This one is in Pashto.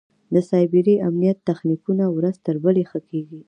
د سایبري امنیت تخنیکونه ورځ تر بلې ښه کېږي.